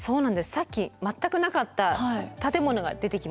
さっき全くなかった建物が出てきましたよね。